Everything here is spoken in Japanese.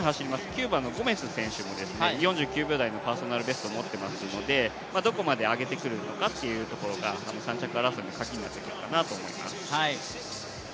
キューバのゴメス選手も４９秒台のパーソナルベストを持っていますのでどこまで上げてくるのかというところが３着争いのカギになってくるかなと思います。